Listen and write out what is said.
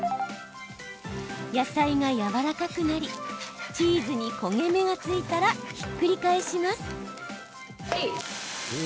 野菜がやわらかくなりチーズに焦げ目がついたらひっくり返します。